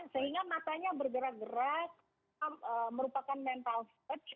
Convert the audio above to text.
sehingga matanya bergerak gerak merupakan mental startch